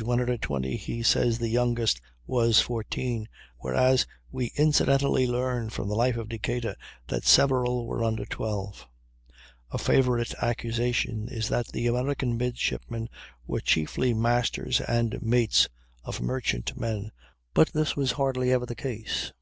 120 he says the youngest was 14, whereas we incidentally learn from the "Life of Decatur" that several were under 12. A favorite accusation is that the American midshipmen were chiefly masters and mates of merchant men; but this was hardly ever the case.